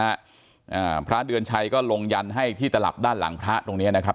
อ่าพระเดือนชัยก็ลงยันให้ที่ตลับด้านหลังพระตรงเนี้ยนะครับ